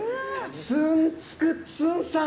ツンツクツンさん！